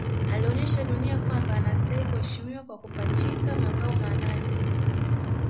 Alionyesha dunia kwamba anastahili kuheshimiwa kwa kupachika mabao manane